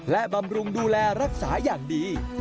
และบำรุงดูแลรักษาอย่างดี